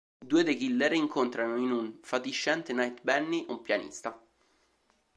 Due dei killer incontrano in un fatiscente night Bennie, un pianista.